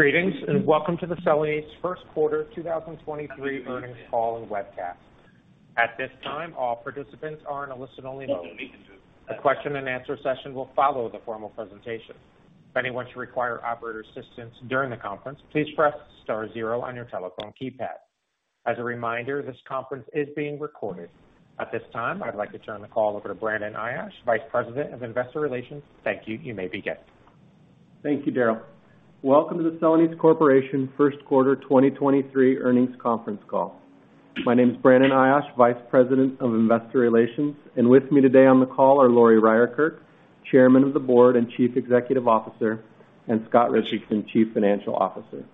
Greetings, welcome to the Celanese first quarter 2023 earnings call and webcast. At this time, all participants are in a listen-only mode. A question-and-answer session will follow the formal presentation. If anyone should require operator assistance during the conference, please press Star zero on your telephone keypad. As a reminder, this conference is being recorded. At this time, I'd like to turn the call over to Brandon Ayache, Vice President of Investor Relations. Thank you. You may begin. Thank you, Darryl. Welcome to the Celanese Corporation first quarter 2023 earnings conference call. My name is Brandon Ayache, Vice President of Investor Relations, and with me today on the call are Lori Ryerkerk, Chairman of the Board and Chief Executive Officer, and Scott Richardson, Chief Financial Officer.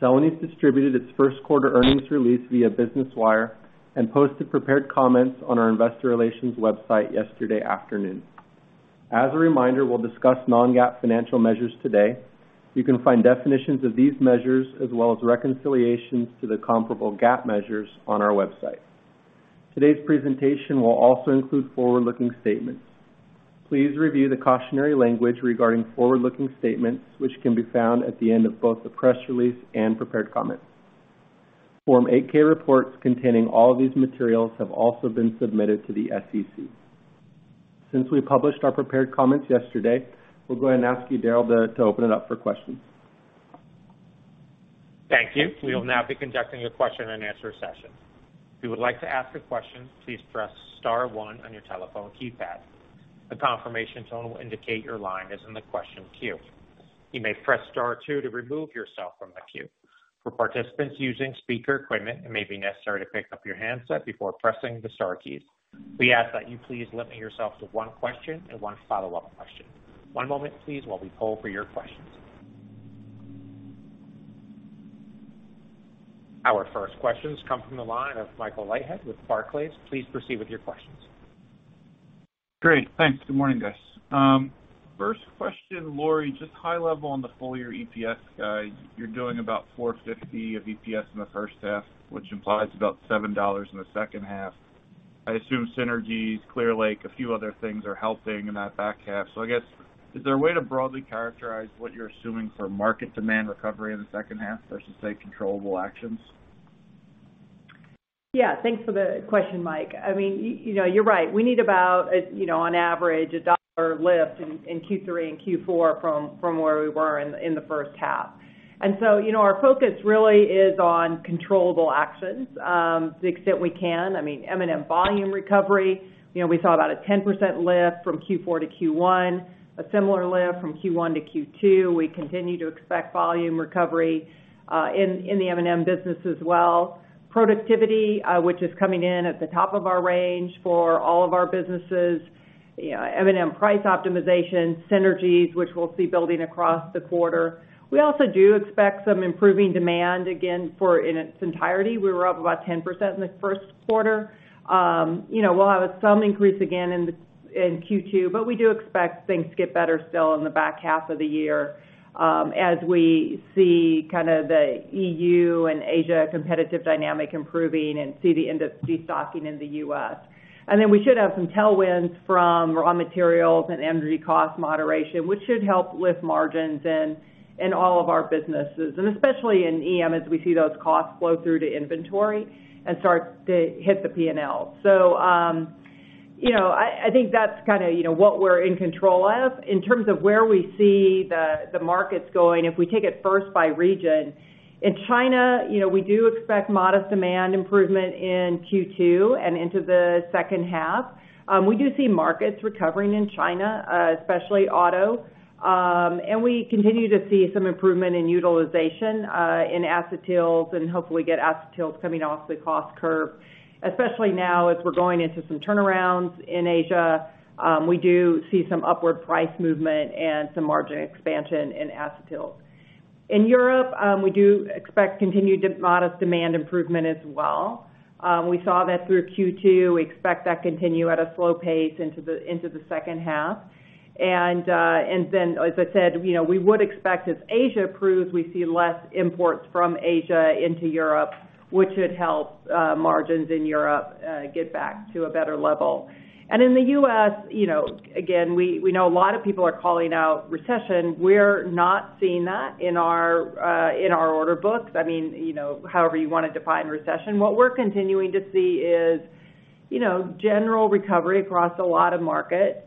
Celanese distributed its first quarter earnings release via Business Wire and posted prepared comments on our investor relations website yesterday afternoon. As a reminder, we'll discuss non-GAAP financial measures today. You can find definitions of these measures as well as reconciliations to the comparable GAAP measures on our website. Today's presentation will also include forward-looking statements. Please review the cautionary language regarding forward-looking statements, which can be found at the end of both the press release and prepared comments. Form 8-K reports containing all these materials have also been submitted to the SEC. Since we published our prepared comments yesterday, we'll go ahead and ask you, Darryl, to open it up for questions. Thank you. We will now be conducting a question-and-answer session. If you would like to ask a question, please press Star one on your telephone keypad. A confirmation tone will indicate your line is in the question queue. You may press star two to remove yourself from the queue. For participants using speaker equipment, it may be necessary to pick up your handset before pressing the star keys. We ask that you please limit yourselves to one question and one follow-up question. One moment, please, while we poll for your questions. Our first questions come from the line of Michael Leithead with Barclays. Please proceed with your questions. Great. Thanks. Good morning, guys. First question, Lori, just high level on the full year EPS guide. You're doing about $4.50 of EPS in the first half, which implies about $7 in the second half. I assume synergies, Clear Lake, a few other things are helping in that back half. I guess, is a way to broadly characterize what you're assuming for market demand recovery in the second half versus, say, controllable actions? Yeah. Thanks for the question, Mike. I mean, you know, you're right. We need about, you know, on average, a $1 lift in Q3 and Q4 from where we were in the first half. You know, our focus really is on controllable actions to the extent we can. I mean, M&M volume recovery, you know, we saw about a 10% lift from Q4 to Q1, a similar lift from Q1 to Q2. We continue to expect volume recovery in the M&M business as well. Productivity, which is coming in at the top of our range for all of our businesses, you know, M&M price optimization, synergies which we'll see building across the quarter. We also do expect some improving demand again for in its entirety. We were up about 10% in the first quarter. You know, we'll have some increase again in Q2, but we do expect things to get better still in the back half of the year, as we see kinda the EU and Asia competitive dynamic improving and see the end of destocking in the U.S. We should have some tailwinds from raw materials and energy cost moderation, which should help lift margins in all of our businesses, and especially in EM, as we see those costs flow through to inventory and start to hit the P&L. You know, I think that's kinda, you know, what we're in control of. In terms of where we see the markets going, if we take it first by region, in China, you know, we do expect modest demand improvement in Q2 and into the second half. We do see markets recovering in China, especially auto. We continue to see some improvement in utilization in acetyls and hopefully get acetyls coming off the cost curve, especially now as we're going into some turnarounds in Asia. We do see some upward price movement and some margin expansion in acetyls. In Europe, we do expect continued modest demand improvement as well. We saw that through Q2. We expect that continue at a slow pace into the second half. As I said, you know, we would expect as Asia improves, we see less imports from Asia into Europe, which should help margins in Europe get back to a better level. In the U.S., you know, again, we know a lot of people are calling out recession. We're not seeing that in our in our order books. I mean, you know, however you wanna define recession. What we're continuing to see is, you know, general recovery across a lot of markets.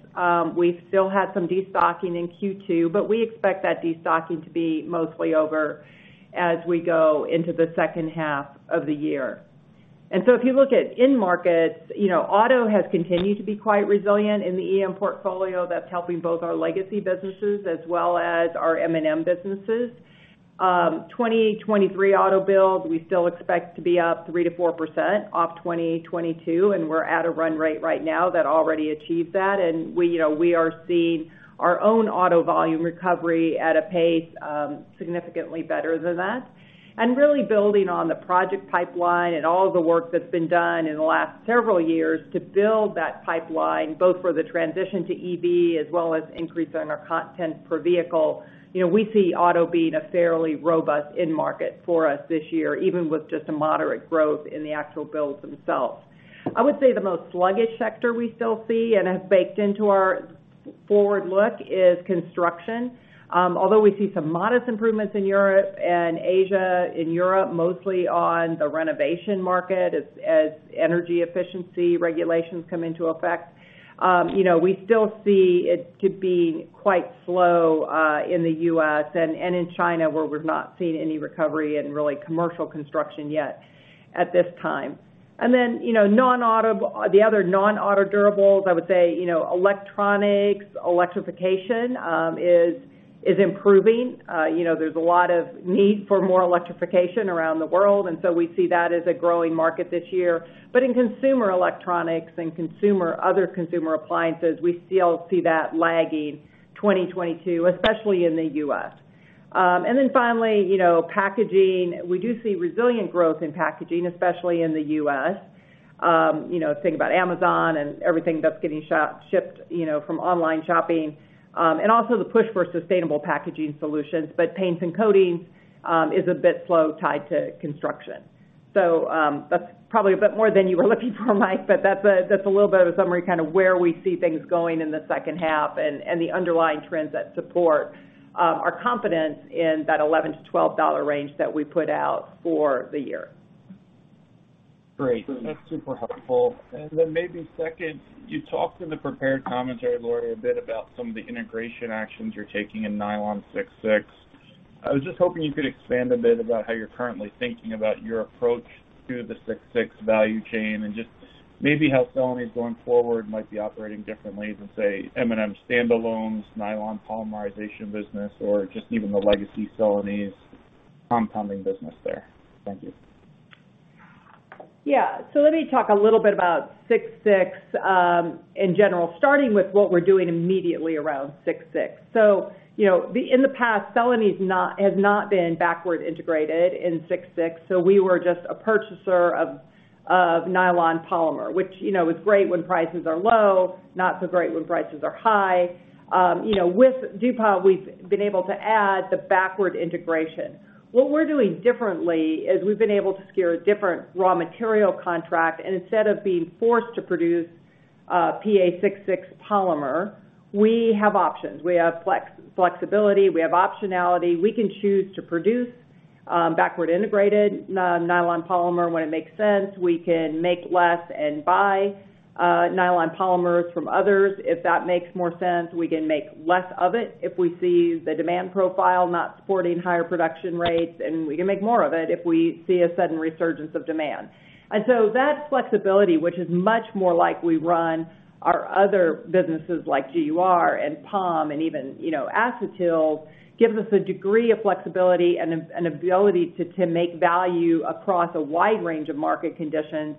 We still had some destocking in Q2, but we expect that destocking to be mostly over as we go into the second half of the year. If you look at end markets, you know, auto has continued to be quite resilient in the EM portfolio. That's helping both our legacy businesses as well as our M&M businesses. 2023 auto build, we still expect to be up 3%-4% off 2022, and we're at a run rate right now that already achieved that. We, you know, we are seeing our own auto volume recovery at a pace significantly better than that. Really building on the project pipeline and all the work that's been done in the last several years to build that pipeline, both for the transition to EV as well as increasing our content per vehicle. You know, we see auto being a fairly robust end market for us this year, even with just a moderate growth in the actual builds themselves. I would say the most sluggish sector we still see and has baked into our forward look is construction. Although we see some modest improvements in Europe and Asia, in Europe, mostly on the renovation market, Energy efficiency regulations come into effect. You know, we still see it to be quite slow in the U.S. and in China, where we've not seen any recovery and really commercial construction yet at this time. You know, the other non-auto durables, I would say, you know, electronics, electrification, is improving. You know, there's a lot of need for more electrification around the world. We see that as a growing market this year. In consumer electronics and other consumer appliances, we still see that lagging 2022, especially in the U.S. Finally, you know, packaging. We do see resilient growth in packaging, especially in the U.S. You know, think about Amazon and everything that's getting shipped, you know, from online shopping, and also the push for sustainable packaging solutions. Paints and coatings is a bit slow tied to construction. That's probably a bit more than you were looking for, Mike, but that's a little bit of a summary kind of where we see things going in the second half and the underlying trends that support our confidence in that $11-$12 range that we put out for the year. Great. That's super helpful. Then maybe second, you talked in the prepared commentary, Laurie, a bit about some of the integration actions you're taking in Nylon 6,6. I was just hoping you could expand a bit about how you're currently thinking about your approach to the six, six value chain and just maybe how Celanese going forward might be operating differently than, say, M&M standalones, nylon polymerization business, or just even the legacy Celanese compounding business there. Thank you. Yeah. Let me talk a little bit about 6,6 in general, starting with what we're doing immediately around 6,6. You know, in the past, Celanese has not been backward integrated in 6,6, so we were just a purchaser of nylon polymer, which, you know, is great when prices are low, not so great when prices are high. You know, with DuPont, we've been able to add the backward integration. What we're doing differently is we've been able to secure a different raw material contract, and instead of being forced to produce PA 6,6 polymer, we have options. We have flexibility, we have optionality. We can choose to produce backward integrated nylon polymer when it makes sense. We can make less and buy nylon polymers from others if that makes more sense. We can make less of it if we see the demand profile not supporting higher production rates, and we can make more of it if we see a sudden resurgence of demand. So that flexibility, which is much more like we run our other businesses like GUR and POM and even, you know, acetal, gives us a degree of flexibility and ability to make value across a wide range of market conditions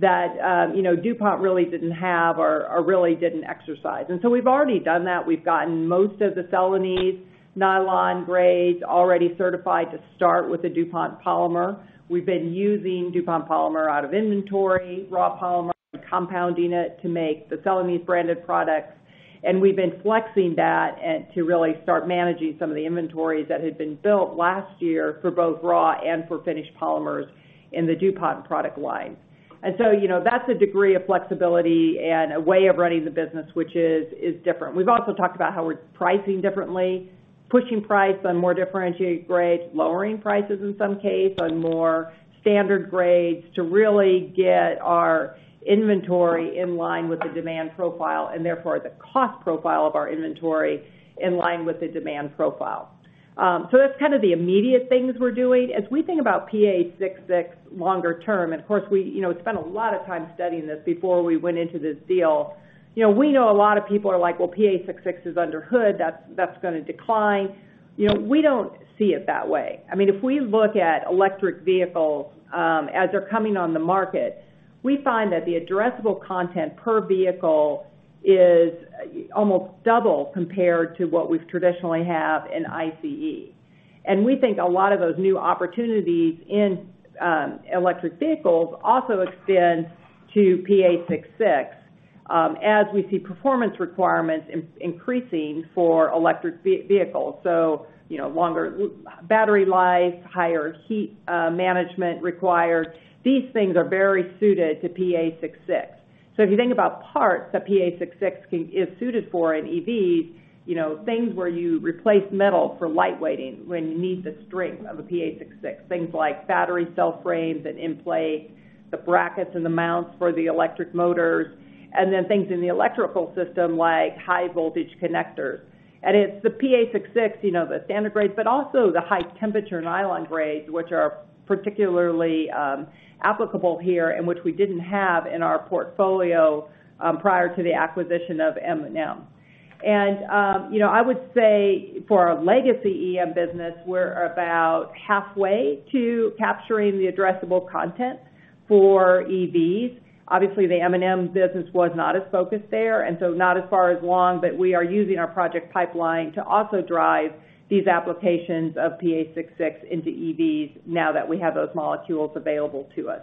that, you know, DuPont really didn't have or really didn't exercise. So we've already done that. We've gotten most of the Celanese nylon grades already certified to start with the DuPont polymer. We've been using DuPont polymer out of inventory, raw polymer, compounding it to make the Celanese branded products. We've been flexing that to really start managing some of the inventories that had been built last year for both raw and for finished polymers in the DuPont product line. You know, that's a degree of flexibility and a way of running the business which is different. We've also talked about how we're pricing differently, pushing price on more differentiated grades, lowering prices in some case on more standard grades to really get our inventory in line with the demand profile, and therefore the cost profile of our inventory in line with the demand profile. That's kind of the immediate things we're doing. As we think about PA 6,6 longer term, and of course, we, you know, spent a lot of time studying this before we went into this deal. You know, we know a lot of people are like, "Well, PA 6,6 is under hood. That's gonna decline." You know, we don't see it that way. I mean, if we look at electric vehicles, as they're coming on the market, we find that the addressable content per vehicle is almost double compared to what we've traditionally have in ICE. We think a lot of those new opportunities in electric vehicles also extend to PA 6,6, as we see performance requirements increasing for electric vehicles. You know, longer battery life, higher heat, management required. These things are very suited to PA 6,6. If you think about parts that PA 6,6 is suited for in EVs, you know, things where you replace metal for light weighting when you need the strength of a PA 6,6. Things like battery cell frames and end plates, the brackets and the mounts for the electric motors, and then things in the electrical system like high voltage connectors. It's the PA 6,6, you know, the standard grades, but also the high temperature nylon grades, which are particularly applicable here and which we didn't have in our portfolio prior to the acquisition of M&M. You know, I would say for our legacy EM business, we're about halfway to capturing the addressable content for EVs. Obviously, the M&M business was not as focused there, and so not as far as long, but we are using our project pipeline to also drive these applications of PA 6,6 into EVs now that we have those molecules available to us.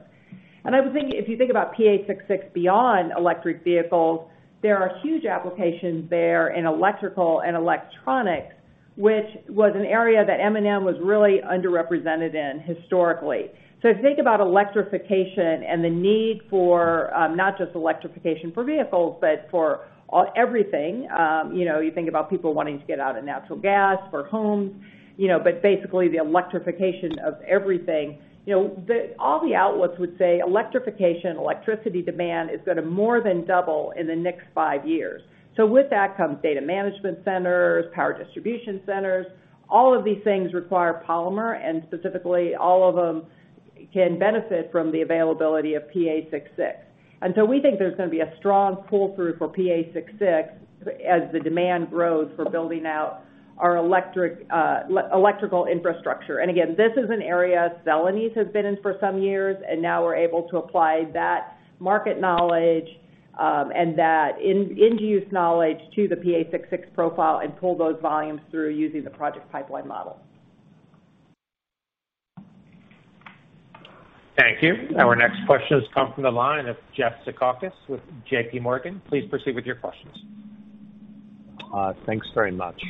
I would think if you think about PA 6,6 beyond electric vehicles, there are huge applications there in electrical and electronics, which was an area that M&M was really underrepresented in historically. If you think about electrification and the need for not just electrification for vehicles, but for all everything. you know, you think about people wanting to get out of natural gas for homes, you know, but basically the electrification of everything. you know, the all the outlooks would say electrification, electricity demand is gonna more than double in the next five years. With that comes data management centers, power distribution centers, all of these things require polymer, and specifically, all of them can benefit from the availability of PA66. We think there's gonna be a strong pull-through for PA66 as the demand grows for building out our electric, electrical infrastructure. Again, this is an area Celanese has been in for some years, and now we're able to apply that market knowledge, and that in-end use knowledge to the PA66 profile and pull those volumes through using the project pipeline model. Thank you. Our next question has come from the line of Jeff Zekauskas with JPMorgan. Please proceed with your questions. Thanks very much.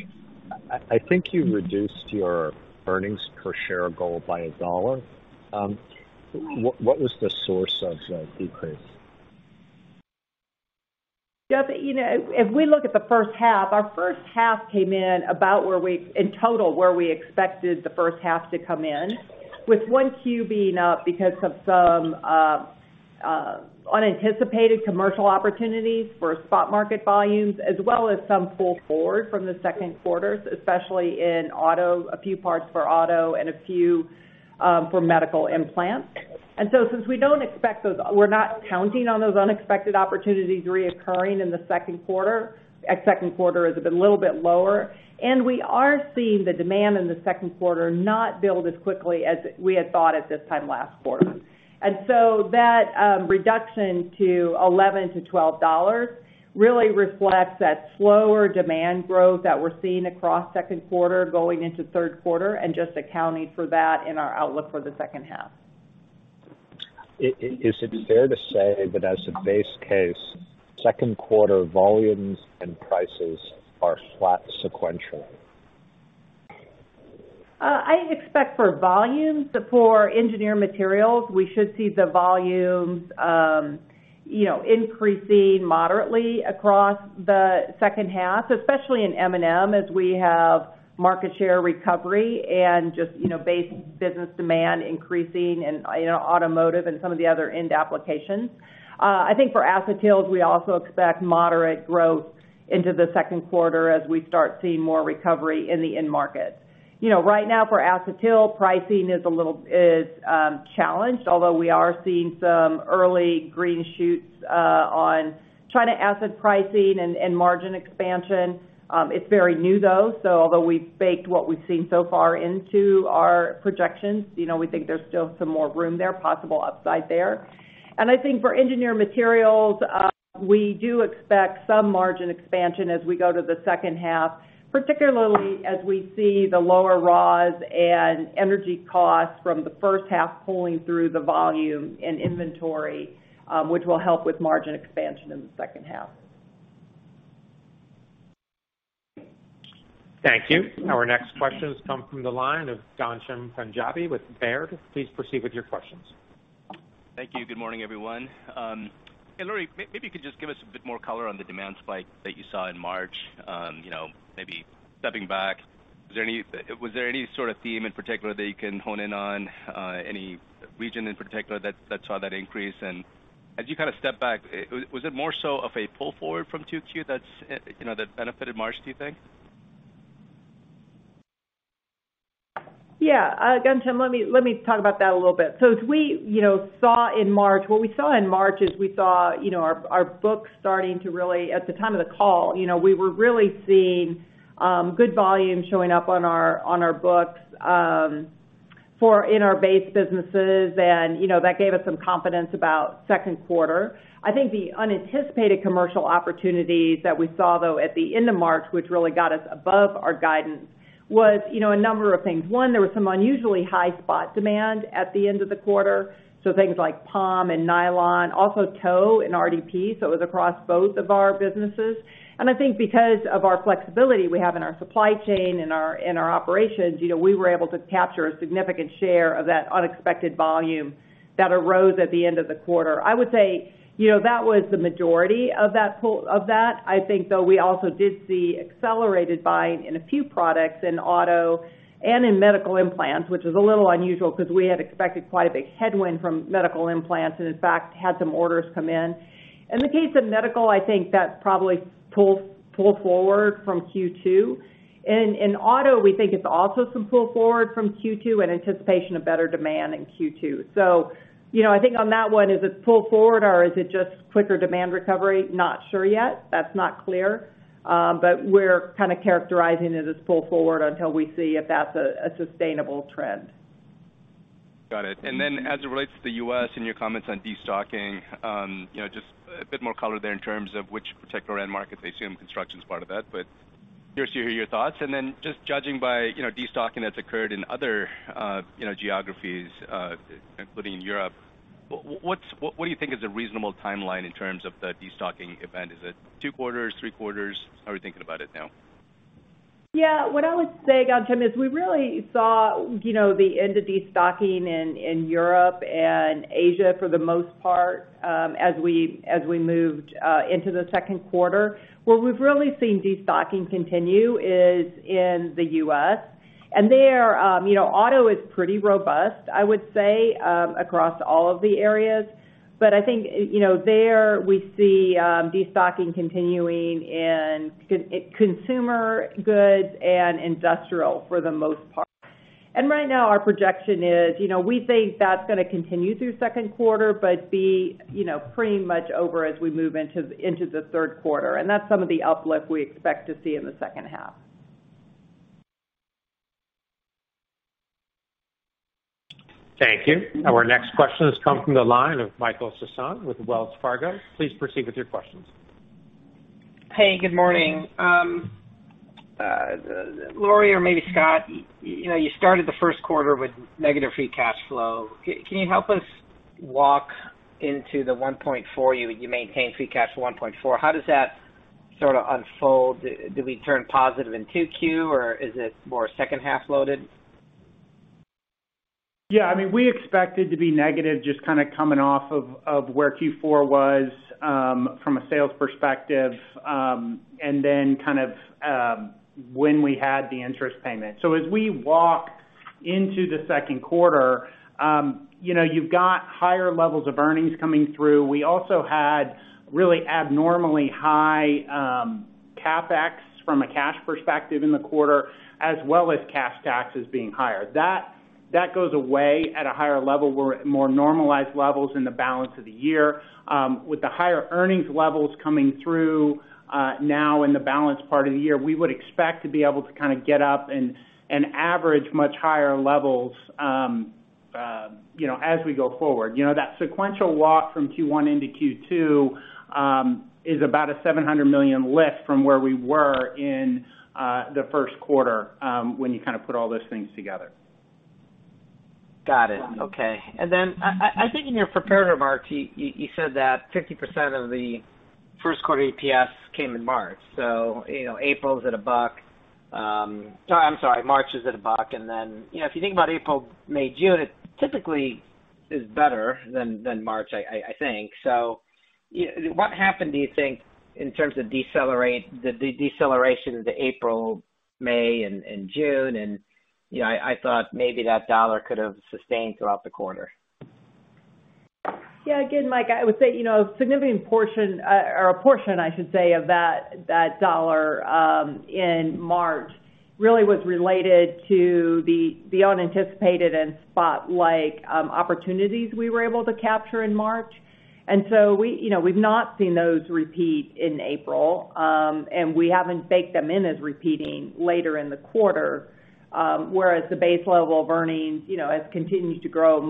I think you reduced your earnings per share goal by $1. What was the source of the decrease? Jeff, you know, if we look at the first half, our first half came in about where we, in total, where we expected the first half to come in, with 1Q being up because of some unanticipated commercial opportunities for spot market volumes, as well as some pull forward from the second quarters, especially in auto, a few parts for auto and a few for medical implants. Since we don't expect those, we're not counting on those unexpected opportunities reoccurring in the second quarter, expect second quarter has been a little bit lower. We are seeing the demand in the second quarter not build as quickly as we had thought at this time last quarter. That reduction to $11-$12 really reflects that slower demand growth that we're seeing across second quarter going into third quarter and just accounting for that in our outlook for the second half. Is it fair to say that as a base case, second quarter volumes and prices are flat sequentially? I expect for volumes, for Engineered Materials, we should see the volumes, you know, increasing moderately across the second half, especially in M&M, as we have market share recovery and just, you know, base business demand increasing and, you know, automotive and some of the other end applications. I think for acetyls, we also expect moderate growth into the second quarter as we start seeing more recovery in the end market. You know, right now for acetyl, pricing is a little challenged, although we are seeing some early green shoots on China acetic pricing and margin expansion. It's very new though, so although we've baked what we've seen so far into our projections, you know, we think there's still some more room there, possible upside there. I think for Engineered Materials, we do expect some margin expansion as we go to the second half, particularly as we see the lower raws and energy costs from the first half pulling through the volume and inventory, which will help with margin expansion in the second half. Thank you. Our next question has come from the line of Ghansham Panjabi with Baird. Please proceed with your questions. Thank you. Good morning, everyone. Hey Lori Ryerkerk, maybe you could just give us a bit more color on the demand spike that you saw in March. You know, maybe stepping back, was there any sort of theme in particular that you can hone in on, any region in particular that saw that increase? As you kind of step back, was it more so of a pull forward from 2 Q that's, you know, that benefited March, do you think? Yeah. Ghansham, let me talk about that a little bit. As we, you know, saw in March, what we saw in March is we saw, you know, our books starting to really, at the time of the call, you know, we were really seeing good volume showing up on our books for in our base businesses, and you know, that gave us some confidence about second quarter. I think the unanticipated commercial opportunities that we saw, though, at the end of March, which really got us above our guidance, was, you know, a number of things. One, there was some unusually high spot demand at the end of the quarter, so things like POM and nylon, also tow and RDP, so it was across both of our businesses. I think because of our flexibility we have in our supply chain and our operations, you know, we were able to capture a significant share of that unexpected volume that arose at the end of the quarter. I would say, you know, that was the majority of that pull of that. I think, though, we also did see accelerated buying in a few products in auto and in medical implants, which was a little unusual because we had expected quite a big headwind from medical implants and in fact had some orders come in. In the case of medical, I think that's probably pull forward from Q2. In auto, we think it's also some pull forward from Q2 in anticipation of better demand in Q2. You know, I think on that one, is it pull forward or is it just quicker demand recovery? Not sure yet. That's not clear. We're kind of characterizing it as pull forward until we see if that's a sustainable trend. Got it. Then as it relates to the U.S. and your comments on destocking, you know, just a bit more color there in terms of which particular end markets. I assume construction's part of that, but curious to hear your thoughts. Then just judging by, you know, destocking that's occurred in other, you know, geographies, including Europe, what do you think is a reasonable timeline in terms of the destocking event? Is it two quarters, three quarters? How are you thinking about it now? Yeah. What I would say, Jim, is we really saw, you know, the end of destocking in Europe and Asia for the most part, as we moved into the second quarter. Where we've really seen destocking continue is in the U.S., and there, you know, auto is pretty robust, I would say, across all of the areas. I think, you know, there we see destocking continuing in consumer goods and industrial for the most part. Right now, our projection is, you know, we think that's gonna continue through second quarter but be, you know, pretty much over as we move into the third quarter, and that's some of the uplift we expect to see in the second half. Thank you. Our next question has come from the line of Michael Sison with Wells Fargo. Please proceed with your questions. Hey, good morning. Lori or maybe Scott, you know, you started the first quarter with negative free cash flow. Can you help us walk into the $1.4? You maintain free cash $1.4. How does that sort of unfold? Do we turn positive in 2Q or is it more second half loaded? Yeah. I mean, we expected to be negative just kinda coming off of where Q4 was from a sales perspective, and then kind of when we had the interest payment. As we walk into the second quarter, you know, you've got higher levels of earnings coming through. We also had really abnormally high CapEx from a cash perspective in the quarter as well as cash taxes being higher. That goes away at a higher level. We're at more normalized levels in the balance of the year. With the higher earnings levels coming through now in the balance part of the year, we would expect to be able to kinda get up and average much higher levels, you know, as we go forward. You know, that sequential walk from Q1 into Q2, is about a $700 million lift from where we were in, the first quarter, when you kind of put all those things together. Got it. Okay. I think in your prepared remarks, you said that 50% of the first quarter EPS came in March. you know, April's at $1. no, I'm sorry, March is at $1. you know, if you think about April, May, June, it typically is better than March I think. what happened, do you think, in terms of the deceleration of the April, May and June? you know, I thought maybe that $1 could have sustained throughout the quarter. Yeah. Again, Mike, I would say, you know, a significant portion, or a portion I should say of that dollar in March really was related to the unanticipated and spot-like opportunities we were able to capture in March. We, you know, we've not seen those repeat in April, and we haven't baked them in as repeating later in the quarter, whereas the base level of earnings, you know, will continue to grow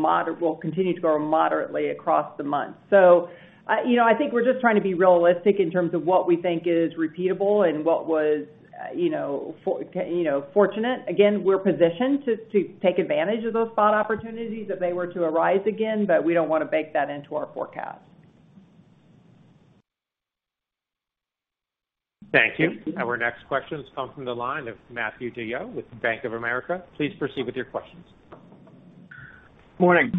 moderately across the month. You know, I think we're just trying to be realistic in terms of what we think is repeatable and what was, you know, fortunate. Again, we're positioned to take advantage of those spot opportunities if they were to arise again, but we don't wanna bake that into our forecast. Thank you. Our next question has come from the line of Matthew DeYoe with Bank of America. Please proceed with your questions. Morning.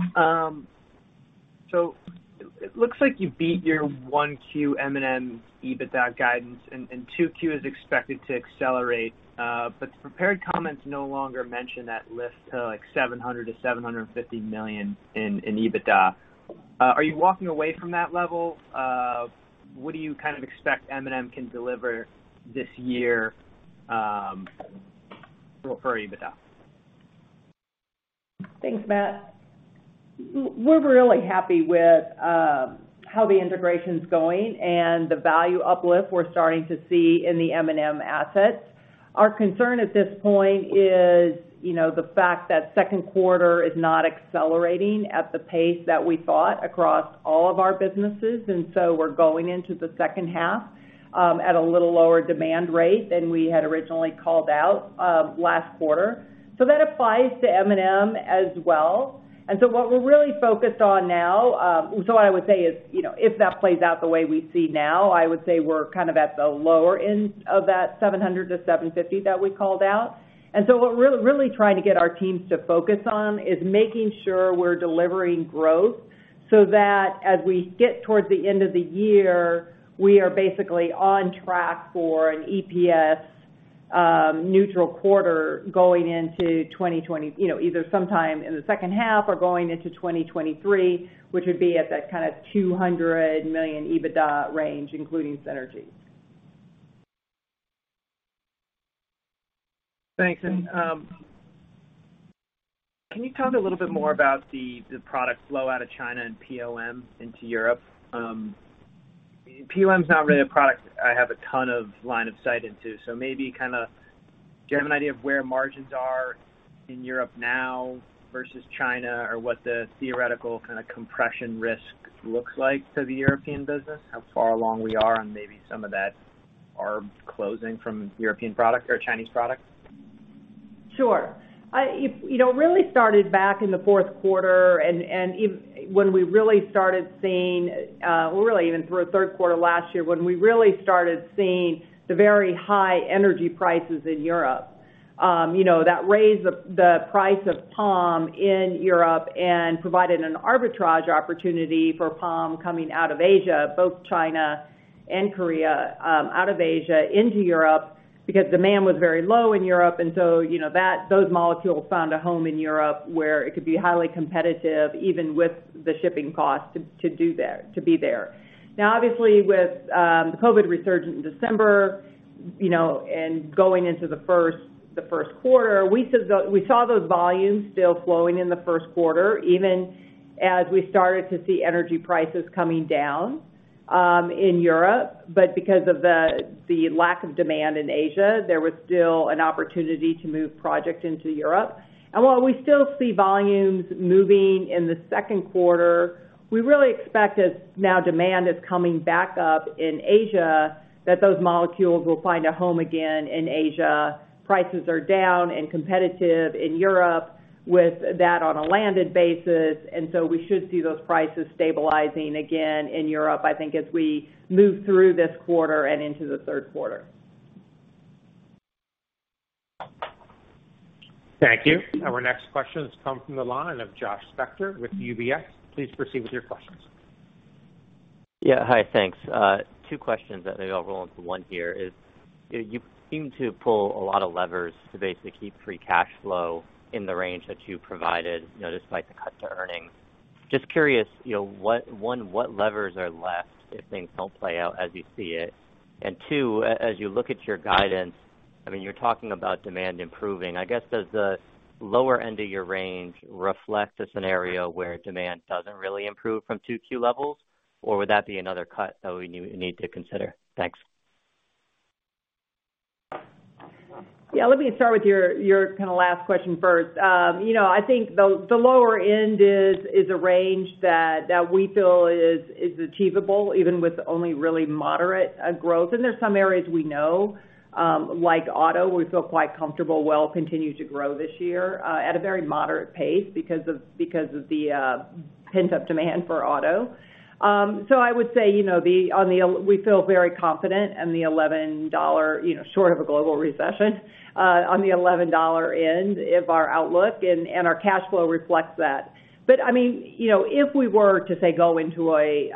It looks like you beat your 1Q M&M EBITDA guidance and 2Q is expected to accelerate. The prepared comments no longer mention that lift to like $700 million-$750 million in EBITDA. Are you walking away from that level? What do you kind of expect M&M can deliver this year for EBITDA? Thanks, Matt. We're really happy with how the integration's going and the value uplift we're starting to see in the M&M assets. Our concern at this point is, you know, the fact that second quarter is not accelerating at the pace that we thought across all of our businesses. We're going into the second half at a little lower demand rate than we had originally called out last quarter. That applies to M&M as well. What we're really focused on now. What I would say is, you know, if that plays out the way we see now, I would say we're kind of at the lower end of that $700-$750 that we called out. What we're really trying to get our teams to focus on is making sure we're delivering growth so that as we get towards the end of the year, we are basically on track for an EPS neutral quarter going into twenty twenty... You know, either sometime in the second half or going into 2023, which would be at that kind of $200 million EBITDA range, including synergies. Thanks. Can you talk a little bit more about the product flow out of China and POM into Europe? POM is not really a product I have a ton of line of sight into, so maybe kinda, do you have an idea of where margins are in Europe now versus China or what the theoretical kinda compression risk looks like to the European business? How far along we are on maybe some of that are closing from European products or Chinese products? Sure. you know, really started back in the fourth quarter and, when we really started seeing, well, really even through the third quarter last year, when we really started seeing the very high energy prices in Europe, you know, that raised the price of POM in Europe and provided an arbitrage opportunity for POM coming out of Asia, both China and Korea, out of Asia into Europe, because demand was very low in Europe. you know, those molecules found a home in Europe where it could be highly competitive, even with the shipping costs to be there. Obviously, with, the COVID resurgence in December, you know, and going into the first quarter, we saw those volumes still flowing in the first quarter, even as we started to see energy prices coming down, in Europe. Because of the lack of demand in Asia, there was still an opportunity to move project into Europe. While we still see volumes moving in the second quarter, we really expect as now demand is coming back up in Asia, that those molecules will find a home again in Asia. Prices are down and competitive in Europe with that on a landed basis. We should see those prices stabilizing again in Europe, I think, as we move through this quarter and into the third quarter. Thank you. Our next question has come from the line of Josh Spector with UBS. Please proceed with your questions. Yeah. Hi, thanks. two questions that maybe I'll roll into 1 here is, you know, you seem to pull a lot of levers to basically keep free cash flow in the range that you provided, you know, despite the cut to earnings. Just curious, you know, what, one, what levers are left if things don't play out as you see it? Two, as you look at your guidance, I mean, you're talking about demand improving. I guess, does the lower end of your range reflect a scenario where demand doesn't really improve from 2Q levels, or would that be another cut that we need to consider? Thanks. Yeah. Let me start with your kinda last question first. You know, I think the lower end is a range that we feel is achievable, even with only really moderate growth. There's some areas we know, like auto, we feel quite comfortable will continue to grow this year at a very moderate pace because of the pent-up demand for auto. I would say, you know, we feel very confident in the $11, you know, short of a global recession, on the $11 end if our outlook and our cash flow reflects that. I mean, you know, if we were to, say, go into a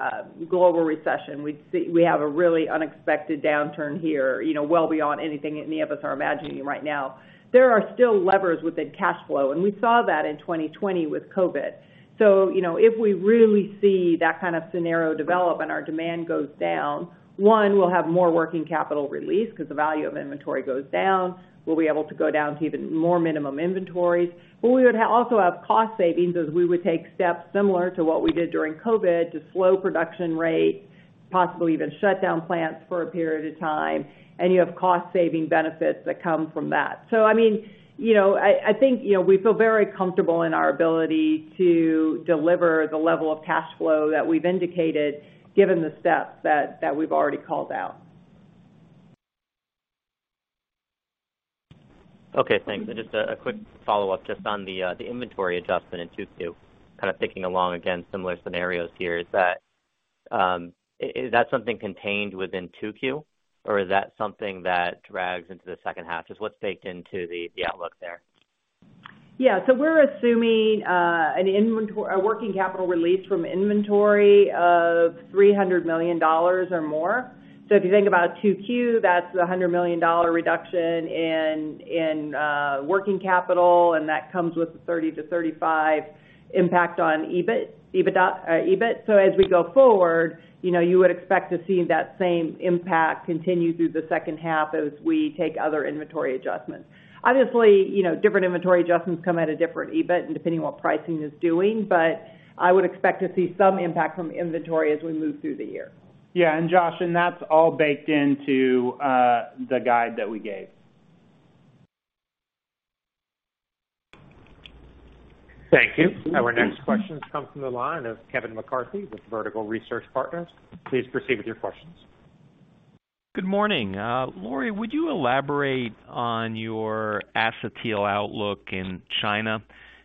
global recession, we have a really unexpected downturn here, you know, well beyond anything any of us are imagining right now. There are still levers within cash flow, and we saw that in 2020 with COVID. You know, if we really see that kind of scenario develop and our demand goes down, one, we'll have more working capital release 'cause the value of inventory goes down. We'll be able to go down to even more minimum inventories. We would also have cost savings as we would take steps similar to what we did during COVID to slow production rates, possibly even shut down plants for a period of time, and you have cost-saving benefits that come from that. I mean, you know, I think, you know, we feel very comfortable in our ability to deliver the level of cash flow that we've indicated given the steps that we've already called out. Okay, thanks. Just a quick follow-up just on the inventory adjustment in 2Q. Kind of thinking along, again, similar scenarios here. Is that something contained within 2Q, or is that something that drags into the second half? Just what's baked into the outlook there? We're assuming a working capital release from inventory of $300 million or more. If you think about 2Q, that's the $100 million reduction in working capital, that comes with the $30 million-$35 million impact on EBIT. As we go forward, you know, you would expect to see that same impact continue through the second half as we take other inventory adjustments. Obviously, you know, different inventory adjustments come at a different EBIT depending what pricing is doing, I would expect to see some impact from inventory as we move through the year. Yeah. And Josh, and that's all baked into the guide that we gave. Thank you. Our next question comes from the line of Kevin McCarthy with Vertical Research Partners. Please proceed with your questions. Good morning. Lori, would you elaborate on your acetyl outlook in China?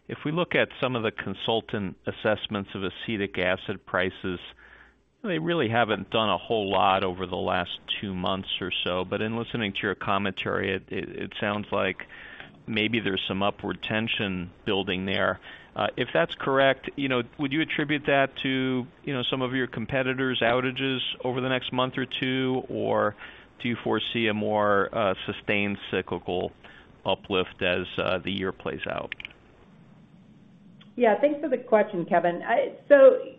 If we look at some of the consultant assessments of acetic acid prices, they really haven't done a whole lot over the last two months or so. In listening to your commentary, it sounds like maybe there's some upward tension building there. If that's correct, you know, would you attribute that to, you know, some of your competitors' outages over the next month or two, or do you foresee a more sustained cyclical uplift as the year plays out? Thanks for the question, Kevin.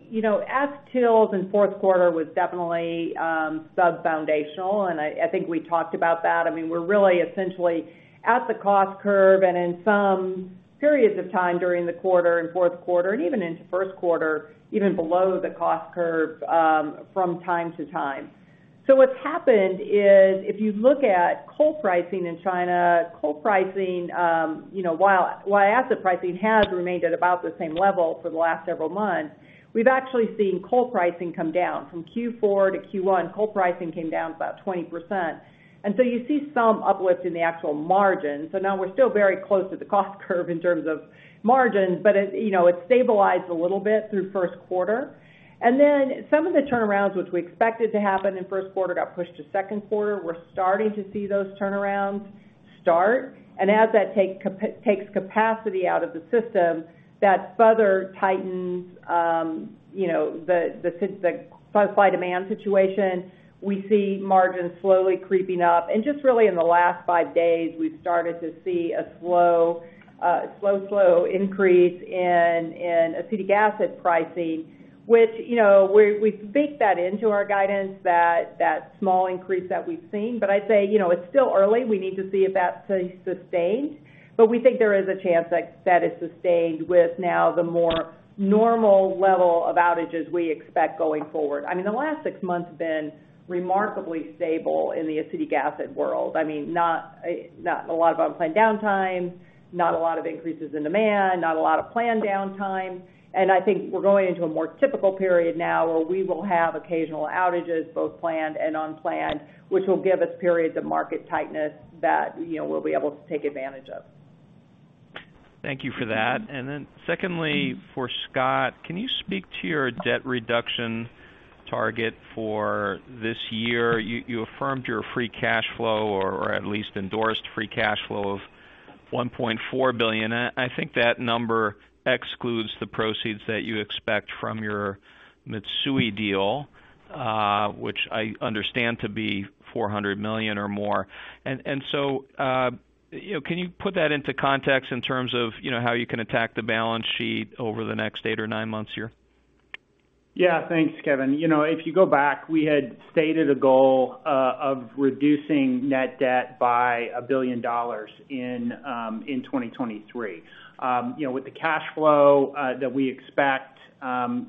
You know, acetyls in fourth quarter was definitely sub-foundational, and I think we talked about that. I mean, we're really essentially at the cost curve, and in some periods of time during the quarter, in fourth quarter and even into first quarter, even below the cost curve from time to time. What's happened is if you look at coal pricing in China, coal pricing, you know, while asset pricing has remained at about the same level for the last several months, we've actually seen coal pricing come down from Q4 to Q1. Coal pricing came down about 20%. You see some uplift in the actual margin. Now we're still very close to the cost curve in terms of margin, but it, you know, it stabilized a little bit through first quarter. Then some of the turnarounds which we expected to happen in first quarter got pushed to second quarter. We're starting to see those turnarounds start. As that takes capacity out of the system, that further tightens, you know, the, the supply demand situation. We see margins slowly creeping up. Just really in the last five days, we've started to see a slow increase in acetic acid pricing, which, you know, we bake that into our guidance, that small increase that we've seen. I'd say, you know, it's still early. We need to see if that stays sustained. We think there is a chance that is sustained with now the more normal level of outages we expect going forward. I mean, the last six months have been remarkably stable in the acetic acid world. I mean, not a lot of unplanned downtime, not a lot of increases in demand, not a lot of planned downtime. I think we're going into a more typical period now where we will have occasional outages, both planned and unplanned, which will give us periods of market tightness that, you know, we'll be able to take advantage of. Thank you for that. Secondly, for Scott, can you speak to your debt reduction target for this year? You affirmed your free cash flow or at least endorsed free cash flow of $1.4 billion. I think that number excludes the proceeds that you expect from your Mitsui deal, which I understand to be $400 million or more. So, you know, can you put that into context in terms of, you know, how you can attack the balance sheet over the next eight or nine months here? Thanks, Kevin. You know, if you go back, we had stated a goal of reducing net debt by $1 billion in 2023. You know, with the cash flow that we expect,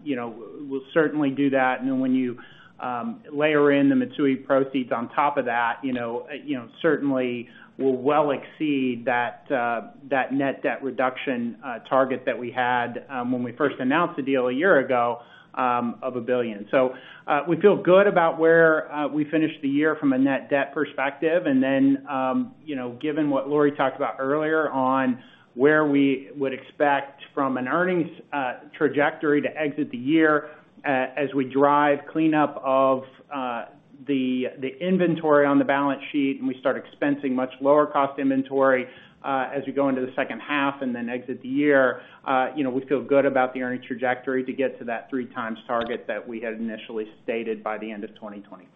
you know, we'll certainly do that. When you layer in the Mitsui proceeds on top of that, you know, you know, certainly will well exceed that net debt reduction target that we had when we first announced the deal one year ago, of $1 billion. We feel good about where we finished the year from a net debt perspective. You know, given what Lori Ryerkerk talked about earlier on, where we would expect from an earnings trajectory to exit the year, as we drive cleanup of the inventory on the balance sheet, and we start expensing much lower cost inventory, as we go into the second half and then exit the year, you know, we feel good about the earning trajectory to get to that three times target that we had initially stated by the end of 2020.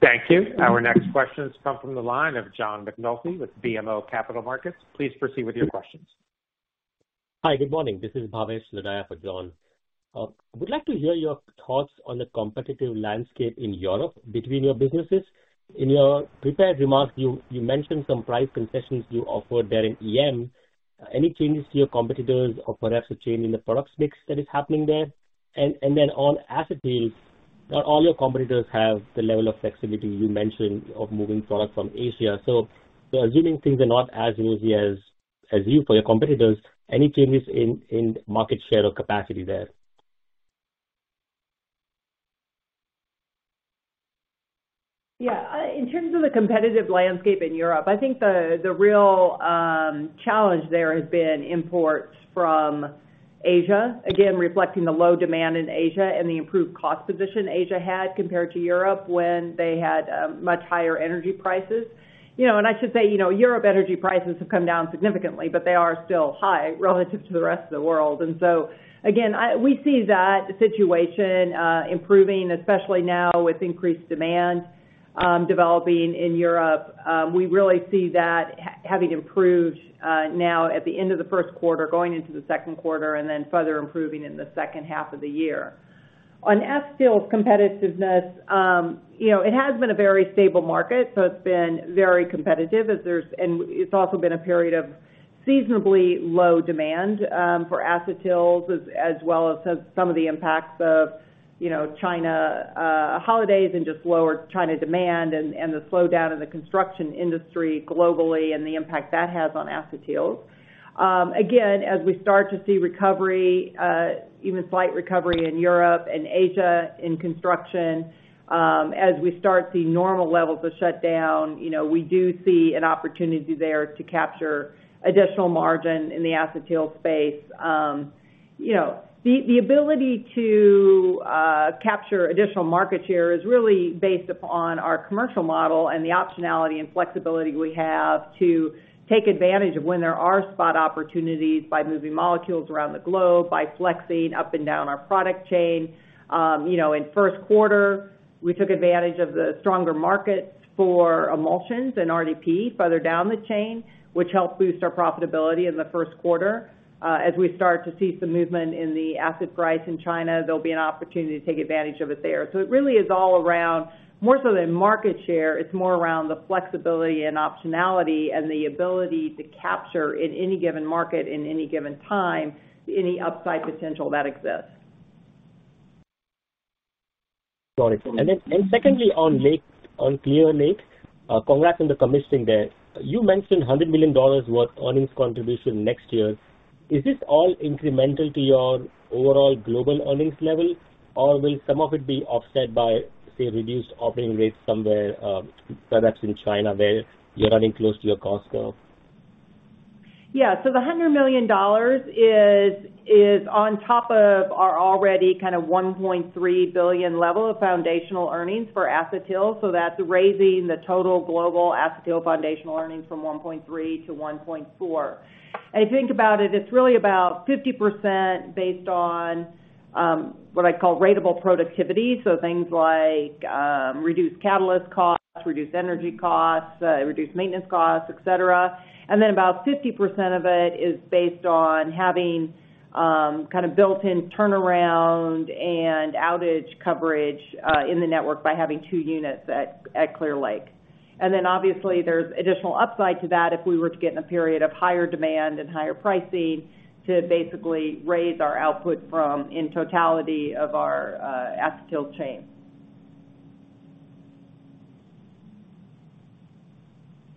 Thank you. Our next question has come from the line of John McNulty with BMO Capital Markets. Please proceed with your questions. Hi, good morning. This is Bhavesh Lodaya for John. would like to hear your thoughts on the competitive landscape in Europe between your businesses. In your prepared remarks, you mentioned some price concessions you offered there in EM. Any changes to your competitors or perhaps a change in the product mix that is happening there? Then on acetyls, not all your competitors have the level of flexibility you mentioned of moving product from Asia. Assuming things are not as easy as you for your competitors, any changes in market share or capacity there? Yeah. In terms of the competitive landscape in Europe, I think the real challenge there has been imports from Asia, again, reflecting the low demand in Asia and the improved cost position Asia had compared to Europe when they had much higher energy prices. You know, I should say, you know, Europe energy prices have come down significantly, they are still high relative to the rest of the world. Again, we see that situation improving, especially now with increased demand developing in Europe. We really see that having improved now at the end of the first quarter, going into the second quarter, further improving in the second half of the year. On acetyls competitiveness, you know, it has been a very stable market. It's been very competitive. It's also been a period of seasonably low demand for acetyls as well as some of the impacts of, you know, China holidays and just lower China demand and the slowdown in the construction industry globally and the impact that has on acetyls. As we start to see recovery, even slight recovery in Europe and Asia in construction, as we start to see normal levels of shutdown, you know, we do see an opportunity there to capture additional margin in the acetyls space. You know, the ability to capture additional market share is really based upon our commercial model and the optionality and flexibility we have to take advantage of when there are spot opportunities by moving molecules around the globe, by flexing up and down our product chain. You know, in first quarter, we took advantage of the stronger market for emulsions and RDP further down the chain, which helped boost our profitability in the first quarter. As we start to see some movement in the asset price in China, there'll be an opportunity to take advantage of it there. It really is all around more so than market share. It's more around the flexibility and optionality and the ability to capture in any given market in any given time, any upside potential that exists. Got it. Secondly, on Clear Lake, congrats on the commissioning there. You mentioned $100 million worth earnings contribution next year. Is this all incremental to your overall global earnings level? Will some of it be offset by, say, reduced operating rates somewhere, perhaps in China where you're running close to your cost curve? The $100 million is on top of our already kind of $1.3 billion level of foundational earnings for acetyl. That's raising the total global acetyl foundational earnings from $1.3 billion to $1.4 billion. If you think about it's really about 50% based on what I call ratable productivity. Things like reduced catalyst costs, reduced energy costs, reduced maintenance costs, et cetera. About 50% of it is based on having kind of built-in turnaround and outage coverage in the network by having two units at Clear Lake. Obviously, there's additional upside to that if we were to get in a period of higher demand and higher pricing to basically raise our output from in totality of our acetyl chain.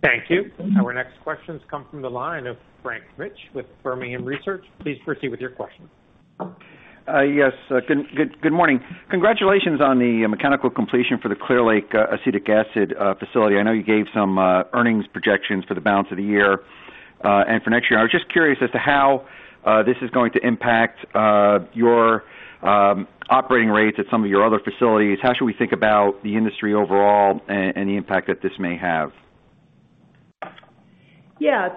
Thank you. Our next questions come from the line of Frank Mitsch with Fermium Research. Please proceed with your questions. Yes, good morning. Congratulations on the mechanical completion for the Clear Lake acetic acid facility. I know you gave some earnings projections for the balance of the year and for next year. I was just curious as to how this is going to impact your operating rates at some of your other facilities. How should we think about the industry overall and the impact that this may have? Yeah.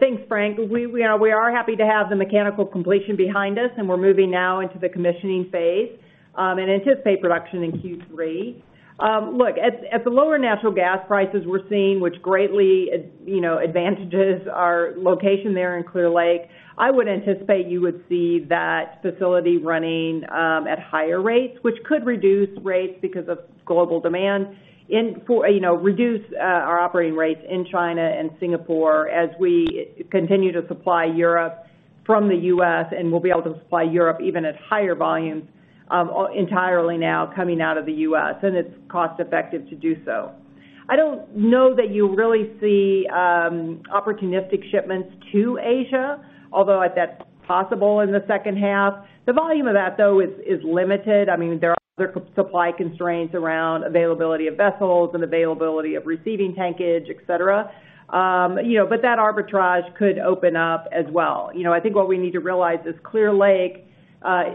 Thanks, Frank. We are happy to have the mechanical completion behind us, and we're moving now into the commissioning phase and anticipate production in Q3. Look, at the lower natural gas prices we're seeing which greatly you know, advantages our location there in Clear Lake, I would anticipate you would see that facility running at higher rates, which could reduce rates because of global demand. For, you know, reduce our operating rates in China and Singapore as we continue to supply Europe from the US, and we'll be able to supply Europe even at higher volumes entirely now coming out of the US, and it's cost effective to do so. I don't know that you'll really see opportunistic shipments to Asia, although that's possible in the second half. The volume of that, though, is limited. I mean, there are other supply constraints around availability of vessels and availability of receiving tankage, et cetera. You know, that arbitrage could open up as well. You know, I think what we need to realize is Clear Lake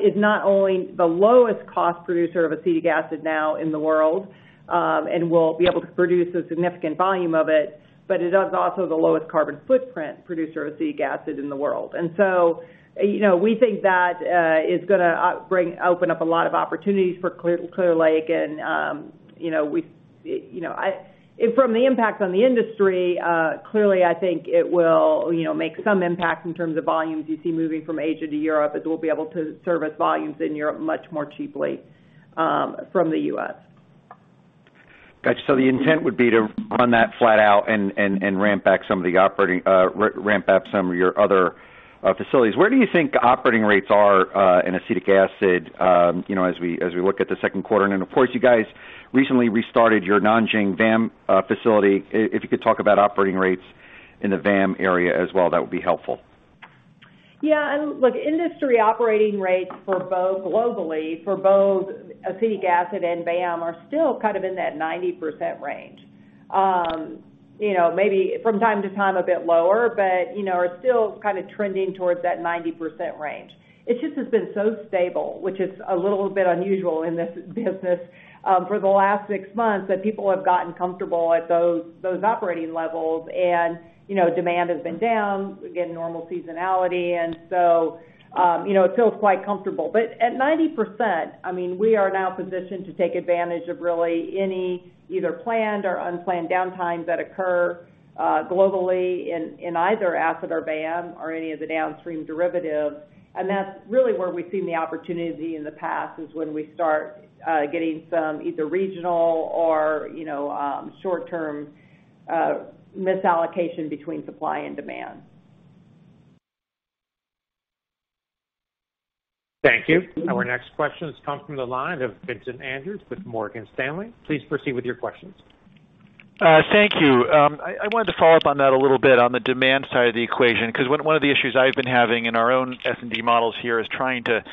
is not only the lowest cost producer of acetic acid now in the world, and will be able to produce a significant volume of it, but it has also the lowest carbon footprint producer acetic acid in the world. You know, we think that, is gonna bring open up a lot of opportunities for Clear Lake and, you know, we, you know, From the impact on the industry, clearly, I think it will, you know, make some impact in terms of volumes you see moving from Asia to Europe, as we'll be able to service volumes in Europe much more cheaply, from the U.S. Got you. The intent would be to run that flat out and ramp up some of your other facilities. Where do you think operating rates are in acetic acid, you know, as we look at the second quarter? Of course, you guys recently restarted your Nanjing VAM facility. If you could talk about operating rates in the VAM area as well, that would be helpful. Yeah. Industry operating rates for both globally, for both acetic acid and VAM are still kind of in that 90% range. You know, maybe from time to time a bit lower, but, you know, are still kind of trending towards that 90% range. It just has been so stable, which is a little bit unusual in this business, for the last 6 months, that people have gotten comfortable at those operating levels. You know, demand has been down, again, normal seasonality. You know, it feels quite comfortable. At 90%, I mean, we are now positioned to take advantage of really any either planned or unplanned downtimes that occur, globally in either acid or VAM or any of the downstream derivatives. That's really where we've seen the opportunity in the past, is when we start getting some either regional or, you know, short term, misallocation between supply and demand. Thank you. Our next question comes from the line of Vincent Andrews with Morgan Stanley. Please proceed with your questions. Thank you. I wanted to follow up on that a little bit on the demand side of the equation, 'cause one of the issues I've been having in our own S&D models here is trying to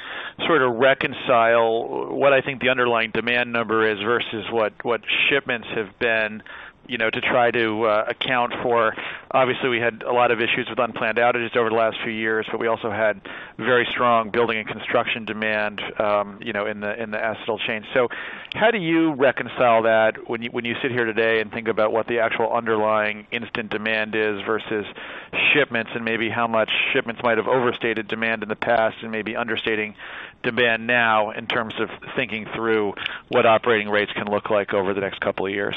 sort of reconcile what I think the underlying demand number is versus what shipments have been, you know, to try to account for. Obviously, we had a lot of issues with unplanned outages over the last few years, but we also had very strong building and construction demand, you know, in the acetyl chain. How do you reconcile that when you sit here today and think about what the actual underlying instant demand is versus shipments and maybe how much shipments might have overstated demand in the past and maybe understating demand now in terms of thinking through what operating rates can look like over the next couple of years?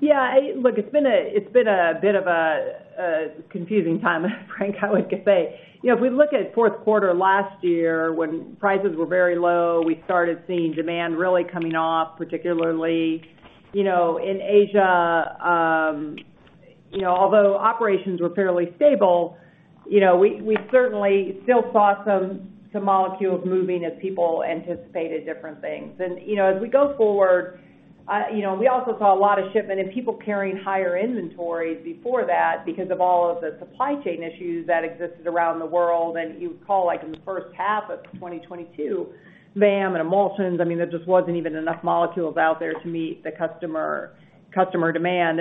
Yeah. Look, it's been a bit of a confusing time, Frank, I would say. You know, if we look at fourth quarter last year when prices were very low, we started seeing demand really coming off, particularly, you know, in Asia. You know, although operations were fairly stable, you know, we certainly still saw some molecules moving as people anticipated different things. You know, as we go forward, you know, we also saw a lot of shipment and people carrying higher inventories before that because of all of the supply chain issues that existed around the world. You would call, like in the first half of 2022, VAM and emulsions, I mean, there just wasn't even enough molecules out there to meet the customer demand.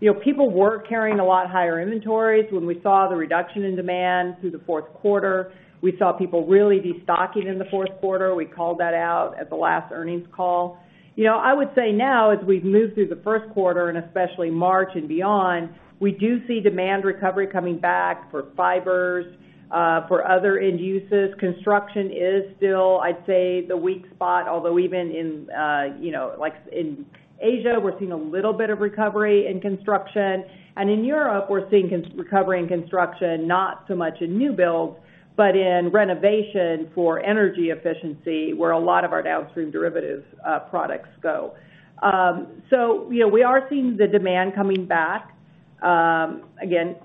You know, people were carrying a lot higher inventories when we saw the reduction in demand through the fourth quarter. We saw people really destocking in the fourth quarter. We called that out at the last earnings call. You know, I would say now as we've moved through the first quarter and especially March and beyond, we do see demand recovery coming back for fibers, for other end uses. Construction is still, I'd say, the weak spot, although even in, you know, like in Asia, we're seeing a little bit of recovery in construction. In Europe, we're seeing recovery in construction, not so much in new builds, but in renovation for energy efficiency, where a lot of our downstream derivatives, products go. You know, we are seeing the demand coming back, again,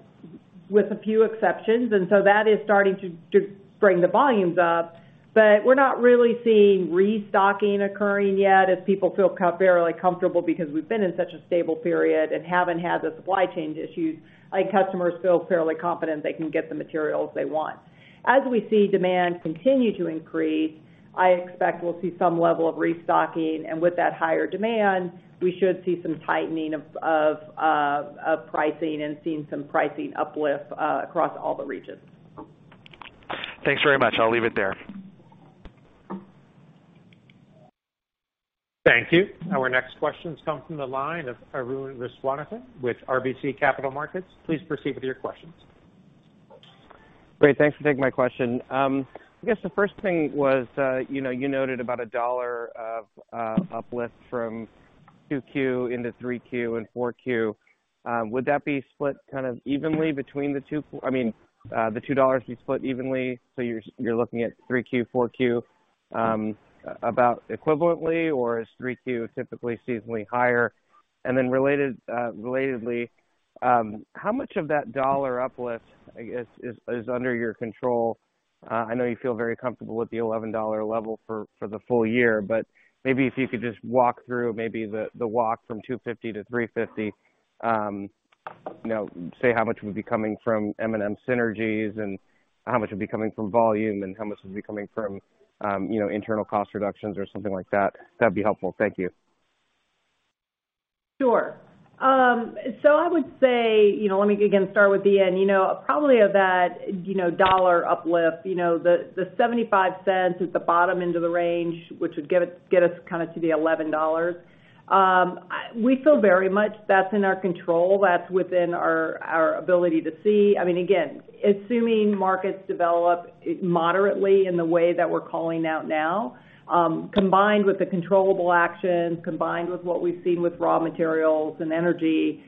with a few exceptions, and so that is starting to bring the volumes up. We're not really seeing restocking occurring yet as people feel fairly comfortable because we've been in such a stable period and haven't had the supply chain issues. I think customers feel fairly confident they can get the materials they want. As we see demand continue to increase, I expect we'll see some level of restocking, and with that higher demand, we should see some tightening of pricing and seeing some pricing uplift, across all the regions. Thanks very much. I'll leave it there. Thank you. Our next question comes from the line of Arun Viswanathan with RBC Capital Markets. Please proceed with your questions. Great. Thanks for taking my question. I guess the first thing was, you know, you noted about a $1 of uplift from 2Q into 3Q and 4Q. Would that be split kind of evenly I mean, the $2 be split evenly, so you're looking at 3Q, 4Q, about equivalently, or is 3Q typically seasonally higher? Related, relatedly, how much of that $1 uplift, I guess, is under your control? I know you feel very comfortable with the $11 level for the full year, maybe if you could just walk through the walk from $2.50 to $3.50, you know, say how much would be coming from M&M synergies and how much would be coming from volume and how much would be coming from, you know, internal cost reductions or something like that. That'd be helpful. Thank you. Sure. I would say, you know, let me again start with the end. You know, probably of that, you know, dollar uplift, you know, the $0.75 at the bottom end of the range, which would get us kind of to the $11, we feel very much that's in our control. That's within our ability to see. I mean, again, assuming markets develop moderately in the way that we're calling out now, combined with the controllable action, combined with what we've seen with raw materials and energy,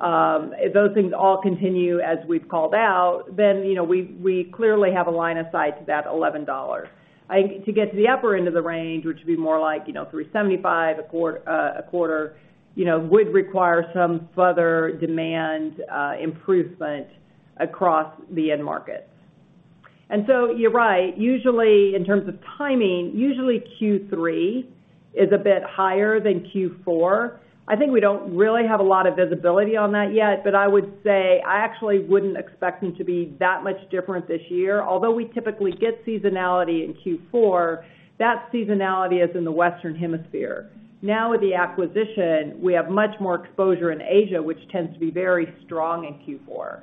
those things all continue as we've called out, you know, we clearly have a line of sight to that $11. I think to get to the upper end of the range, which would be more like, you know, $3.75 a quarter, you know, would require some further demand improvement across the end markets. You're right. Usually, in terms of timing, usually Q3 is a bit higher than Q4. I think we don't really have a lot of visibility on that yet, but I would say I actually wouldn't expect them to be that much different this year. We typically get seasonality in Q4, that seasonality is in the Western Hemisphere. With the acquisition, we have much more exposure in Asia, which tends to be very strong in Q4.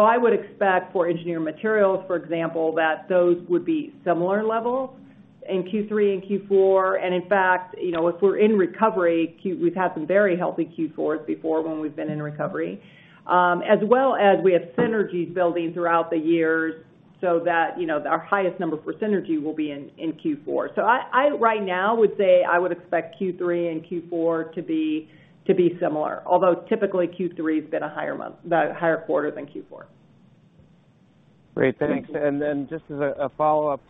I would expect for Engineered Materials, for example, that those would be similar levels in Q3 and Q4. In fact, you know, if we're in recovery, we've had some very healthy Q4s before when we've been in recovery. As well as we have synergies building throughout the year so that, you know, our highest number for synergy will be in Q4. I right now would say I would expect Q3 and Q4 to be similar, although typically Q3 has been a higher month, higher quarter than Q4. Great. Thanks. Just as a follow-up,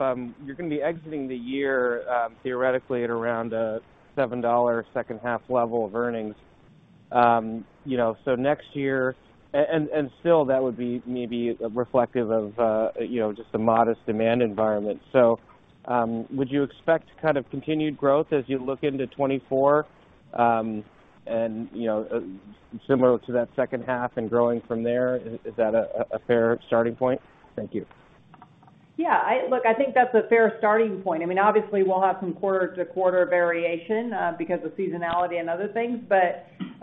you're gonna be exiting the year, theoretically at around, a $7 second half level of earnings. you know, next year, and still that would be maybe reflective of, you know, just a modest demand environment. Would you expect kind of continued growth as you look into 2024, and, you know, similar to that second half and growing from there? Is that a fair starting point? Thank you. Yeah. Look, I think that's a fair starting point. I mean, obviously, we'll have some quarter-to-quarter variation, because of seasonality and other things.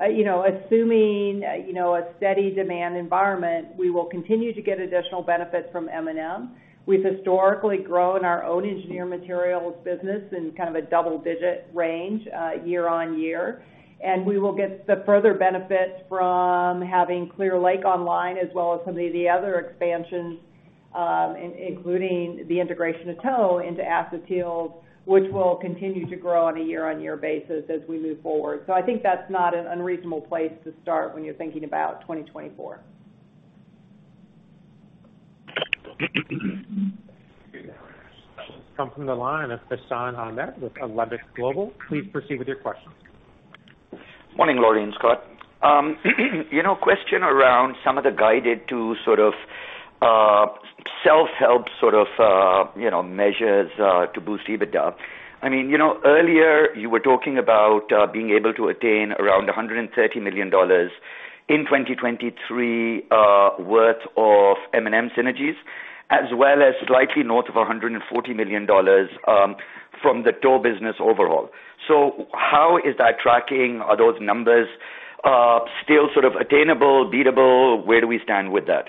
You know, assuming, you know, a steady demand environment, we will continue to get additional benefits from M&M. We've historically grown our own Engineered Materials business in kind of a double-digit range, year-on-year, and we will get the further benefits from having Clear Lake online, as well as some of the other expansions, including the integration of tow into uncertain, which will continue to grow on a year-on-year basis as we move forward. I think that's not an unreasonable place to start when you're thinking about 2024. Come from the line of Hassan Ahmed with Alembic Global Advisors. Please proceed with your questions. Morning, Lori and Scott. You know, question around some of the guided to sort of, self-help sort of, you know, measures to boost EBITDA. I mean, you know, earlier you were talking about being able to attain around $130 million in 2023 worth of M&M synergies, as well as slightly north of $140 million from the tow business overall. How is that tracking? Are those numbers still sort of attainable, beatable? Where do we stand with that?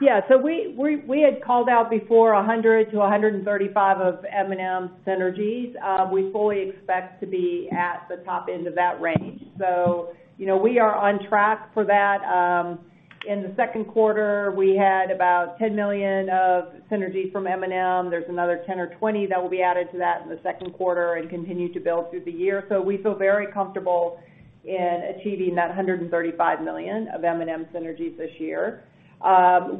Yeah. We had called out before $100 million-$135 million of M&M synergies. We fully expect to be at the top end of that range. You know, we are on track for that. In the second quarter, we had about $10 million of synergy from M&M. There's another $10 million or $20 million that will be added to that in the second quarter, and continue to build through the year. We feel very comfortable in achieving that $135 million of M&M synergies this year.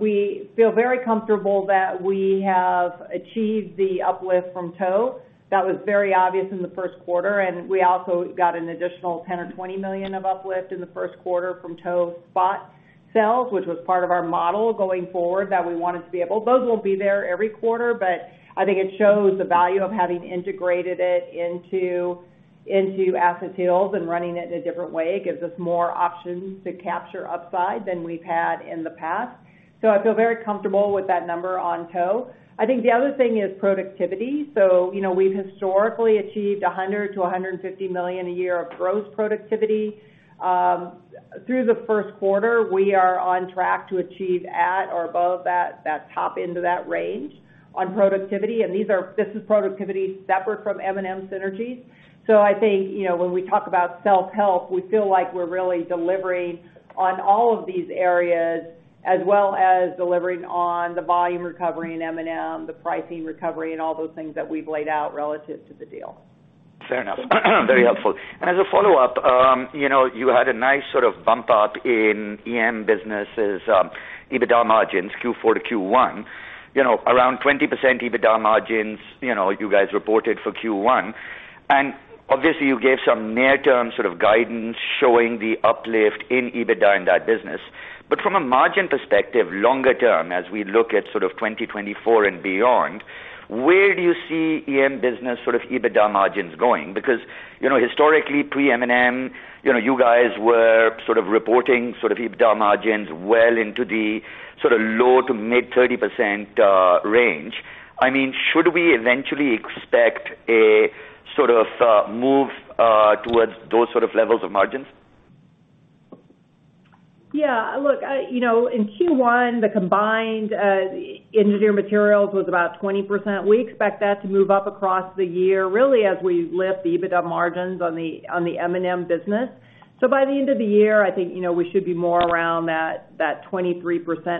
We feel very comfortable that we have achieved the uplift from tow. That was very obvious in the first quarter, and we also got an additional $10 million or $20 million of uplift in the first quarter from tow spot sales, which was part of our model going forward that we wanted to be able. Those won't be there every quarter, but I think it shows the value of having integrated it into Asset Hills and running it in a different way. It gives us more options to capture upside than we've had in the past. I feel very comfortable with that number on tow. I think the other thing is productivity. You know, we've historically achieved $100 million-$150 million a year of gross productivity. Through the first quarter, we are on track to achieve at or above that top end of that range on productivity, and this is productivity separate from M&M synergies. I think, you know, when we talk about self-help, we feel like we're really delivering on all of these areas as well as delivering on the volume recovery in M&M, the pricing recovery, and all those things that we've laid out relative to the deal. Fair enough. Very helpful. As a follow-up, you know, you had a nice sort of bump up in EM businesses, EBITDA margins, Q4 to Q1. You know, around 20% EBITDA margins, you know, you guys reported for Q1, and obviously you gave some near-term sort of guidance showing the uplift in EBITDA in that business. From a margin perspective, longer term, as we look at sort of 2024 and beyond, where do you see EM business sort of EBITDA margins going? You know, historically pre-M&M, you know, you guys were sort of reporting sort of EBITDA margins well into the sort of low to mid 30% range. I mean, should we eventually expect a sort of move towards those sort of levels of margins? Look, you know, in Q1, the combined Engineered Materials was about 20%. We expect that to move up across the year, really as we lift the EBITDA margins on the M&M business. By the end of the year, I think, you know, we should be more around that 23%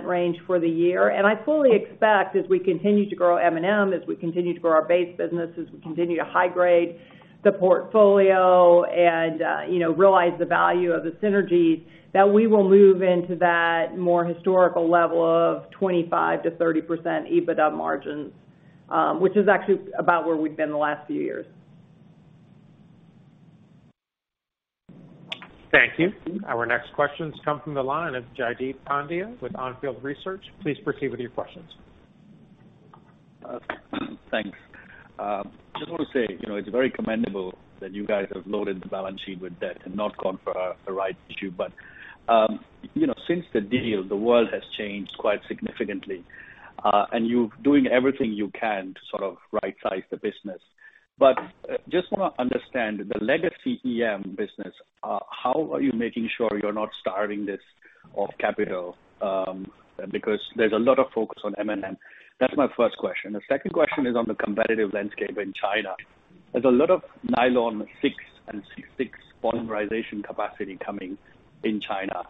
range for the year. I fully expect as we continue to grow M&M, as we continue to grow our base business, as we continue to high grade the portfolio and, you know, realize the value of the synergies, that we will move into that more historical level of 25%-30% EBITDA margins, which is actually about where we've been the last few years. Thank you. Our next questions come from the line of Jaideep Pandya with On Field Investment Research. Please proceed with your questions. Thanks. Just wanna say, you know, it's very commendable that you guys have loaded the balance sheet with debt and not gone for a right issue. You know, since the deal, the world has changed quite significantly, and you're doing everything you can to right-size the business. Just wanna understand the legacy EM business, how are you making sure you're not starving this of capital? Because there's a lot of focus on M&M. That's my first question. The second question is on the competitive landscape in China. There's a lot of nylon six and 6,6 polymerization capacity coming in China.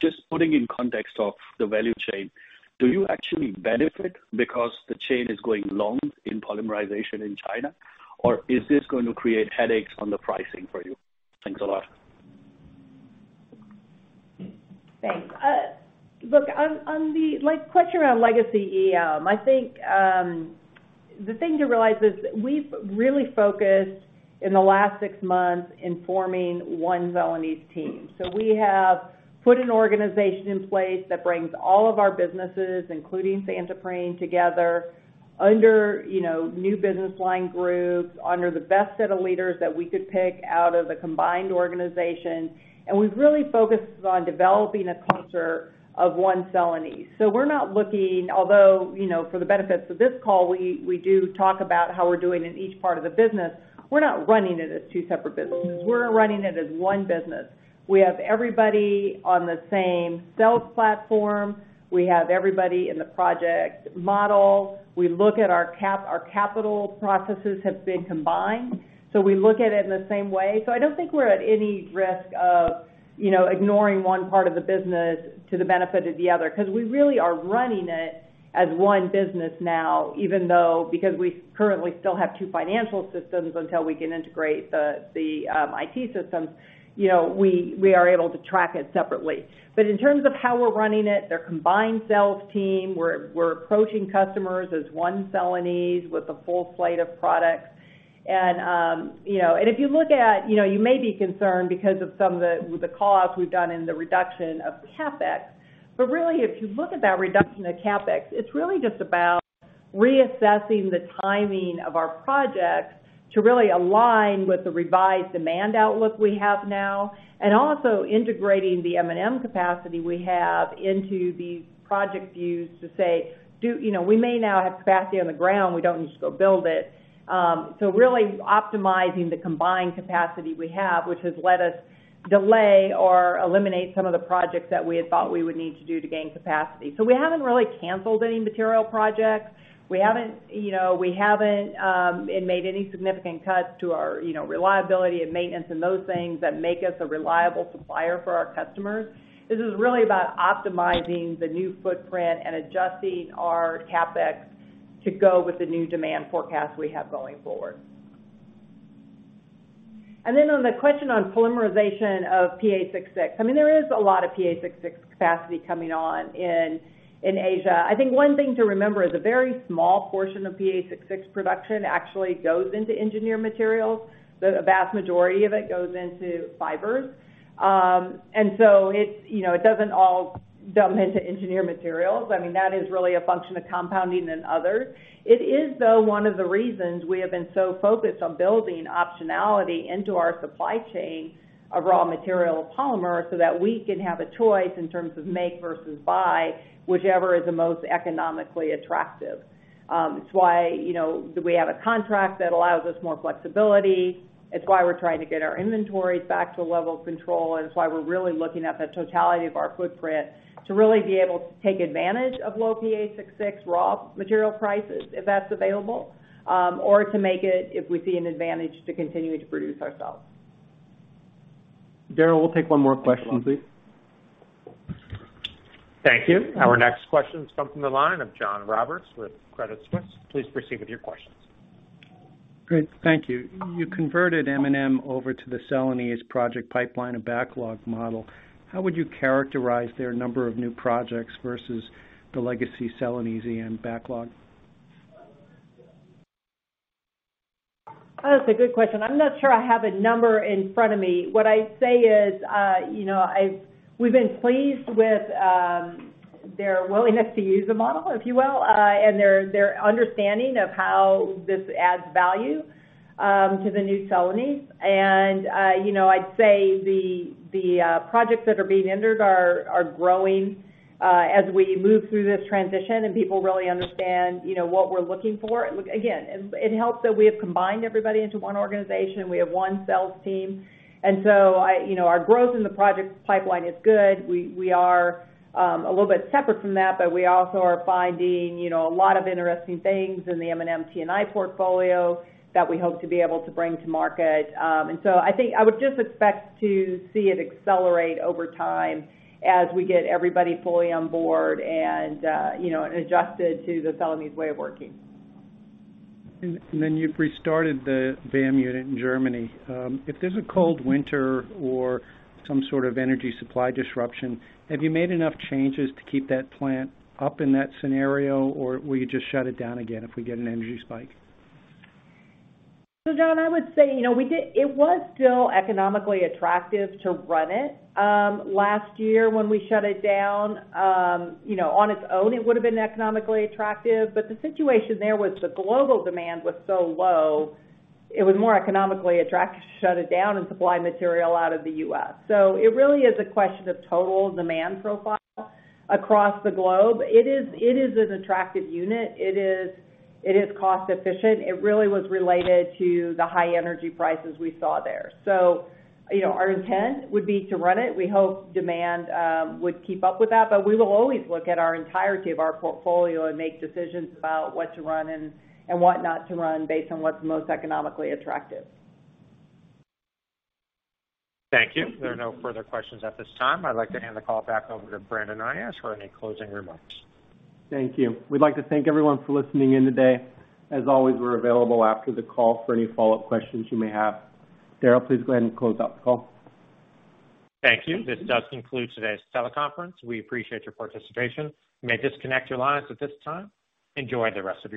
Just putting in context of the value chain, do you actually benefit because the chain is going long in polymerization in China, or is this gonna create headaches on the pricing for you? Thanks a lot. Thanks. Look, on the like question around legacy EM, I think, the thing to realize is we've really focused in the last six months in forming one Celanese team. We have put an organization in place that brings all of our businesses, including Santoprene, together under, you know, new business line groups, under the best set of leaders that we could pick out of the combined organization. We've really focused on developing a culture of one Celanese. We're not looking. Although, you know, for the benefits of this call, we do talk about how we're doing in each part of the business, we're not running it as two separate businesses. We're running it as one business. We have everybody on the same sales platform. We have everybody in the project model. We look at our capital processes have been combined, so we look at it in the same way. I don't think we're at any risk of, you know, ignoring one part of the business to the benefit of the other, 'cause we really are running it as one business now, even though because we currently still have two financial systems until we can integrate the IT systems, you know, we are able to track it separately. In terms of how we're running it, their combined sales team, we're approaching customers as one Celanese with a full slate of products. you know, and if you look at, you know, you may be concerned because of some of the costs we've done in the reduction of CapEx. Really if you look at that reduction of CapEx, it's really just about reassessing the timing of our projects to really align with the revised demand outlook we have now, and also integrating the M&M capacity we have into these project views to say, you know, we may now have capacity on the ground, we don't need to go build it. Really optimizing the combined capacity we have, which has let us delay or eliminate some of the projects that we had thought we would need to do to gain capacity. We haven't really canceled any material projects. We haven't, you know, made any significant cuts to our, you know, reliability and maintenance and those things that make us a reliable supplier for our customers. This is really about optimizing the new footprint and adjusting our CapEx to go with the new demand forecast we have going forward. On the question on polymerization of PA66, I mean, there is a lot of PA66 capacity coming on in Asia. I think one thing to remember is a very small portion of PA66 production actually goes into engineered materials. The vast majority of it goes into fibers. It's, you know, it doesn't all dump into engineered materials. I mean, that is really a function of compounding and others. It is, though, one of the reasons we have been so focused on building optionality into our supply chain of raw material polymer so that we can have a choice in terms of make versus buy, whichever is the most economically attractive. It's why, you know, do we have a contract that allows us more flexibility? It's why we're trying to get our inventories back to a level of control. It's why we're really looking at the totality of our footprint to really be able to take advantage of low PA 6,6 raw material prices, if that's available, or to make it if we see an advantage to continue to produce ourselves. Darryl, we'll take one more question, please. Thank you. Our next question comes from the line of John Roberts with Credit Suisse. Please proceed with your questions. Great. Thank you. You converted M&M over to the Celanese project pipeline and backlog model. How would you characterize their number of new projects versus the legacy Celanese and backlog? That's a good question. I'm not sure I have a number in front of me. What I'd say is, you know, we've been pleased with their willingness to use the model, if you will, and their understanding of how this adds value to the new Celanese. You know, I'd say the, projects that are being entered are growing as we move through this transition and people really understand, you know, what we're looking for. Look, again, it helps that we have combined everybody into one organization. We have one sales team. I, you know, our growth in the project pipeline is good. We are a little bit separate from that, but we also are finding, you know, a lot of interesting things in the M&M T&I portfolio that we hope to be able to bring to market. I think I would just expect to see it accelerate over time as we get everybody fully on board and, you know, adjusted to the Celanese way of working. You've restarted the VAM unit in Germany. If there's a cold winter or some sort of energy supply disruption, have you made enough changes to keep that plant up in that scenario, or will you just shut it down again if we get an energy spike? John, I would say, you know, it was still economically attractive to run it last year when we shut it down. You know, on its own, it would've been economically attractive, but the situation there was the global demand was so low, it was more economically attractive to shut it down and supply material out of the U.S. It really is a question of total demand profile across the globe. It is, it is an attractive unit. It is, it is cost efficient. It really was related to the high energy prices we saw there. You know, our intent would be to run it. We hope demand would keep up with that, but we will always look at our entirety of our portfolio and make decisions about what to run and what not to run based on what's most economically attractive. Thank you. There are no further questions at this time. I'd like to hand the call back over to Brandon Ayache for any closing remarks. Thank you. We'd like to thank everyone for listening in today. As always, we're available after the call for any follow-up questions you may have. Darryl, please go ahead and close out the call. Thank you. This does conclude today's teleconference. We appreciate your participation. You may disconnect your lines at this time. Enjoy the rest of your day.